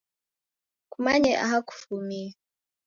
Kumanye aha kufumie.